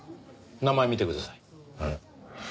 名前見てください。